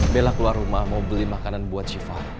bella keluar rumah mau beli makanan buat siva